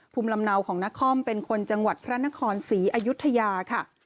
ภูมิลำเนาของนครเป็นคนจังหวัดพระนครศรีอยุธยาค่ะ